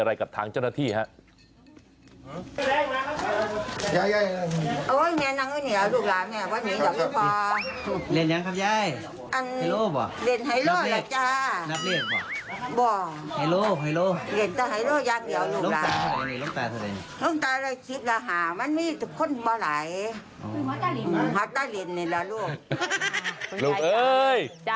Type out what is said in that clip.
หัวตะลิ่นหัวตะลิ่นนี่ล่ะลูกลูกเอ๊ย